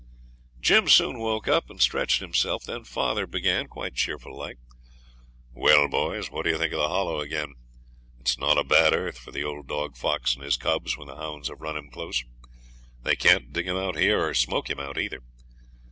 Jim soon woke up and stretched himself. Then father began, quite cheerful like 'Well, boys, what d'ye think of the Hollow again? It's not a bad earth for the old dog fox and his cubs when the hounds have run him close. They can't dig him out here, or smoke him out either.